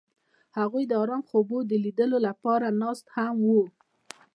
هغوی د آرام خوبونو د لیدلو لپاره ناست هم وو.